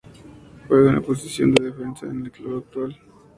Juega en la posición de defensa en el club actual.